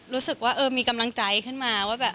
รู้สึกว่าเออมีกำลังใจขึ้นมาว่าแบบ